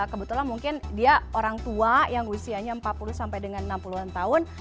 kebetulan mungkin dia orang tua yang usianya empat puluh sampai dengan enam puluh an tahun